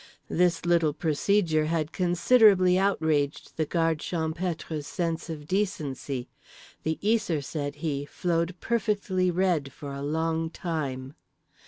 This little procedure had considerably outraged the Guard Champêtre's sense of decency. The Yser, said he, flowed perfectly red for a long time.